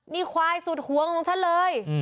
นี่ควายสุดหวงของฉันเลย